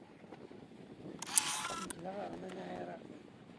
Nekk d aɣerman aɛiraqi.